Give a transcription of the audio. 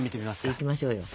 いきましょうよ。